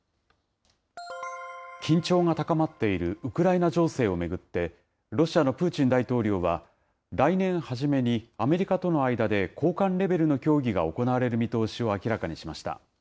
緊張が高まっているウクライナ情勢を巡って、ロシアのプーチン大統領は、来年初めにアメリカとの間で高官レベルの協議が行われる見通しを明らかにしました。